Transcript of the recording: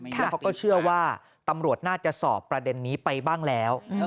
แล้วเขาก็เชื่อว่าตำรวจน่าจะสอบประเด็นนี้ไปบ้างแล้ว